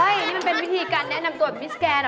นี่มันเป็นวิธีการแนะนำตัวแบบมิสแกน